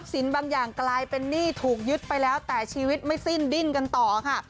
สินบางอย่างกลายเป็นหนี้ถูกยึดไปแล้วแต่ชีวิตไม่สิ้นดิ้นกันต่อค่ะ